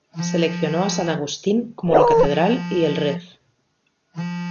Seleccionó a San Agustín como la catedral y el Rev.